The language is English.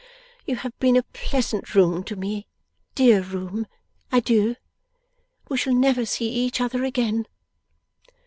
You have been a pleasant room to me, dear room. Adieu! We shall never see each other again.